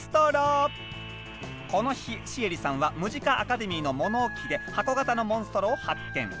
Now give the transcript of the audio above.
この日シエリさんはムジカ・アカデミーの物置で箱型のモンストロを発見。